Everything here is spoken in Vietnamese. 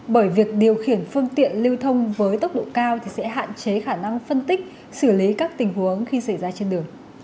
bởi việc điều khiển phương tiện lưu thông với tốc độ cao thì sẽ hạn chế khả năng phân tích xử lý các tình huống khi xảy ra trên đường